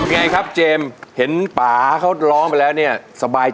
เนี้ยครับเจมเห็นป๋าเขาร้องไปแล้วเนี้ยสบายใจ